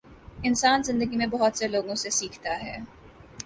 انسان زندگی میں بہت سے لوگوں سے سیکھتا ہے۔